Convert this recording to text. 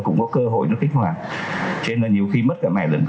tôi có trao đổi với đồng chí tân trí thượng